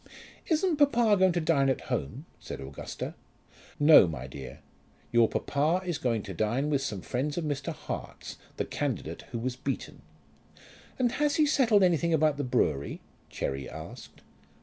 "Isn't papa going to dine at home?" said Augusta. "No, my dear; your papa is going to dine with some friends of Mr. Hart's, the candidate who was beaten." "And has he settled anything about the brewery?" Cherry asked.